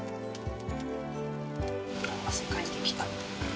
もう汗かいてきた。